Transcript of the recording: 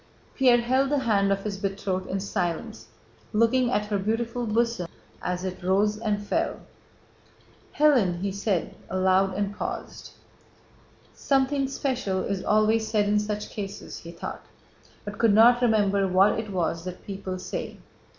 Pierre held the hand of his betrothed in silence, looking at her beautiful bosom as it rose and fell. "Hélène!" he said aloud and paused. "Something special is always said in such cases," he thought, but could not remember what it was that people say.